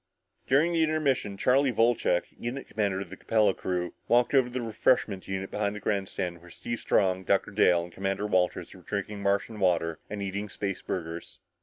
During the intermission Charlie Wolcheck, unit commander of the Capella crew, walked over to the refreshment unit behind the grandstand where Steve Strong, Dr. Dale and Commander Walters were drinking Martian water and eating spaceburgers.